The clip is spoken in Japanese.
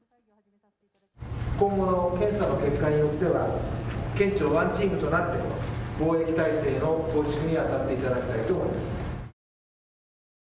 今後の検査の結果によっては県庁、ワンチームとなって防衛態勢の構築にあたっていただきたい。